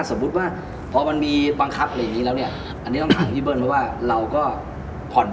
สมมุติว่าเพราะว่ามันมีบังคับอะไรอย่างงี้แล้วเนี้ย